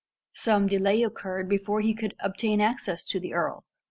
Some delay occurred before he could obtain access to the earl.